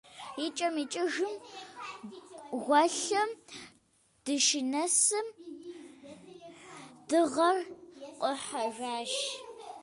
ИкӀэм-икӀэжым гуэлым дыщынэсым, дыгъэр къухьэжащ.